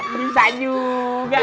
bisa juga pak d